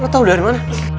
lo tau dari mana